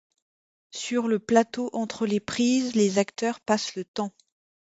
Sur le plateau entre les prises, les acteurs passent le temps.